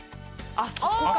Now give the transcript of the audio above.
あっそこか。